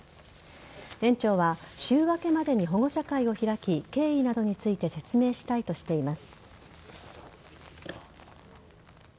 園長は週明けまでに保護者会を開き経緯などについて説明したいとしています。